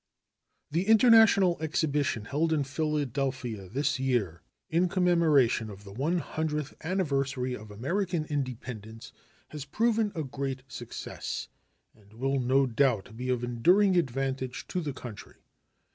The international exhibition held in Philadelphia this year, in commemoration of the one hundredth anniversary of American independence, has proven a great success, and will, no doubt, be of enduring advantage to the country.